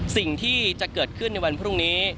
สิ่งที่จะเกิดขึ้นในวันพรุ่งนี้